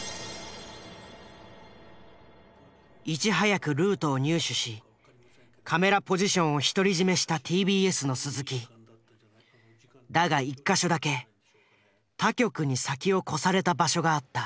いち早くルートを入手しカメラポジションを独り占めしただが１か所だけ他局に先を越された場所があった。